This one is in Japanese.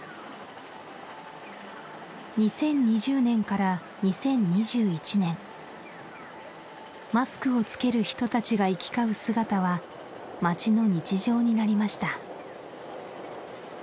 ２０２０年から２０２１年マスクをつける人たちが行き交う姿は街の日常になりました